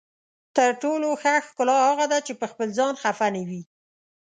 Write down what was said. تر ټولو ښه ښکلا هغه ده چې پخپل ځان خفه نه وي.